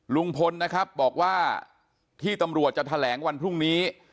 ลุงพลนะครับบอกว่าที่ตำรวจจะแถลงวันพรุ่งนี้